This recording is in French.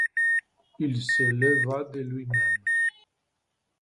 Il se leva de lui-même